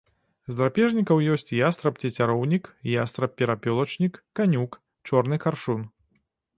З драпежнікаў ёсць ястраб-цецяроўнік, ястраб-перапёлачнік, канюк, чорны каршун.